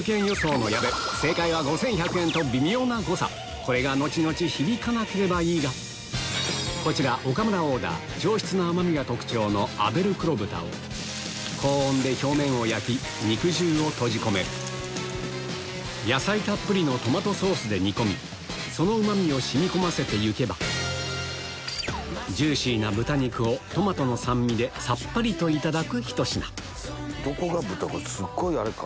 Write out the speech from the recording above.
微妙な誤差これが後々響かなければいいがこちら岡村オーダー上質な甘みが特徴の高温で表面を焼き肉汁を閉じ込める野菜たっぷりのトマトソースで煮込みそのうまみを染み込ませていけばジューシーな豚肉をトマトの酸味でさっぱりといただくひと品どこが豚かすっごいあれか。